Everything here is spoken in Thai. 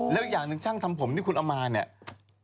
แล้วอย่างหนึ่งช่างทำผมที่คุณเอามาเนี่ย